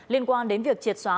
liên quan đến việc triệt xóa